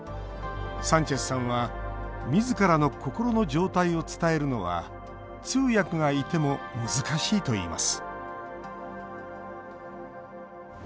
サンチェスさんはみずからの心の状態を伝えるのは通訳がいても難しいといいます